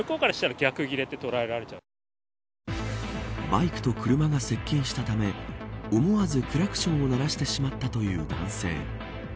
バイクと車が接近したため思わずクラクションを鳴らしてしまったという男性。